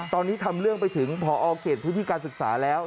ตอนนี้ทำเรื่องไปถึงพอเขตพื้นที่การศึกษาแล้ว